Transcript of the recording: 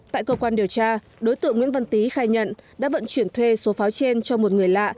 tại cơ quan điều tra đối tượng nguyễn văn tý khai nhận đã vận chuyển thuê số pháo trên cho một người lạ